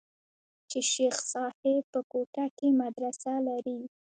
چې شيخ صاحب په کوټه کښې مدرسه لري.